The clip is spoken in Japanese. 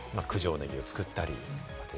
ねぎを作ったり。